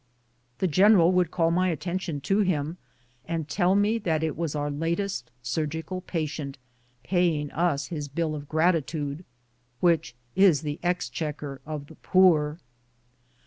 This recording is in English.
The general would call my attention to him, and tell me that it was our latest surgical patient, paying us his bill in gratitude, "which is the exchequer of the poor."